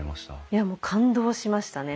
いやもう感動しましたね。